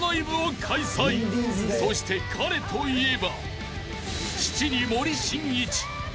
［そして彼といえば］